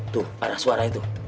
tuh pada suara itu